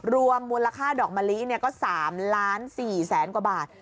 รวมมูลค่าดอกมะลิเนี่ยก็๓๔๐๐๐๐๐กว่าบาท